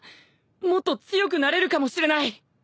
もっと強くなれるかもしれない。